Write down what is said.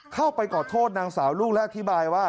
เข้าไปขอโทษนางสาวลูกและอธิบายว่า